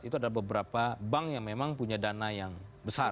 itu adalah beberapa bank yang memang punya dana yang besar